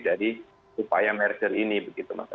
dari upaya merger ini begitu maksudnya